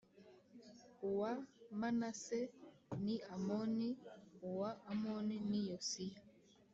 Uwa Manase ni Amoni uwa Amoni ni Yosiya